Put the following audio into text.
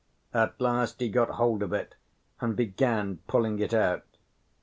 At last he got hold of it and began pulling it out.